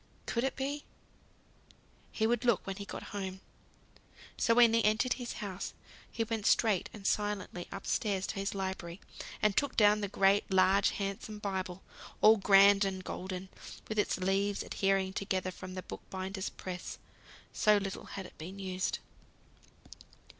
Could it be ? He would look when he got home. So when he entered his house he went straight and silently up stairs to his library, and took down the great large handsome Bible, all grand and golden, with its leaves adhering together from the bookbinder's press, so little had it been used.